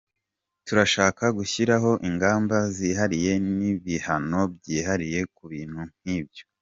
Turashaka gushyiraho ingamba zihariye n’ibihano byihariye ku bintu nkibyo.